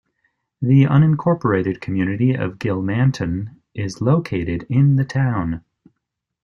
The unincorporated community of Gilmanton is located in the town.